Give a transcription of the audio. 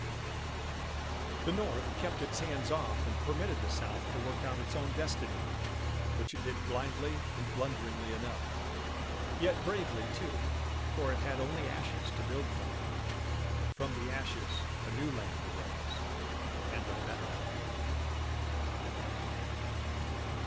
The North kept its hands off and permitted the South to work out its own destiny which it did blindly and blunderingly enough. Yet bravely, too; for it had only ashes to build from. But from the ashes a new land arose, and a better one.